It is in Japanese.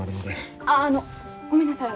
あああのごめんなさい